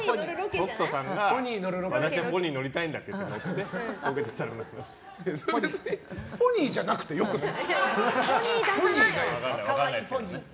北斗さんがポニー乗りたいんだってポニーじゃなくてよくない？